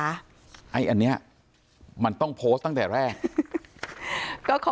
อันนี้มันต้องโพสต์ตั้งแต่แรก